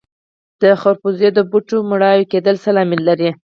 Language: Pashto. د خربوزو د بوټو مړاوي کیدل څه لامل لري؟